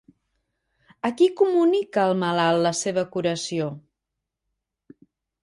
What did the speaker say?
A qui comunica el malalt la seva curació?